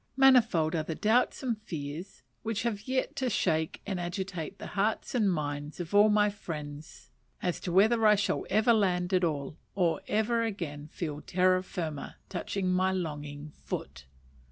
Manifold are the doubts and fears which have yet to shake and agitate the hearts and minds of all my friends as to whether I shall ever land at all, or ever again feel terra firma touch my longing foot.